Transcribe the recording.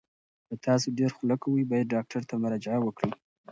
که تاسو ډیر خوله کوئ، باید ډاکټر ته مراجعه وکړئ.